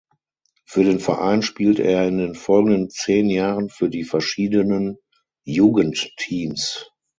Für den Verein spielte er in den folgenden zehn Jahren für die verschiedenen Jugendteams.